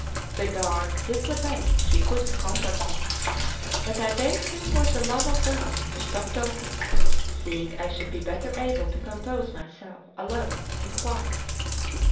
The guard did the best he could to comfort me; but I begged him for the love of God to stop talking, seeing I should be better able to compose myself alone in quiet.